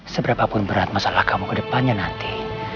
seberapapun berat masalah kamu ke depannya nanti